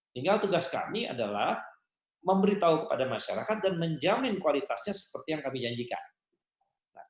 tinggal tugas kami adalah memberitahu kepada masyarakat dan menjamin kualitasnya seperti yang kami janjikan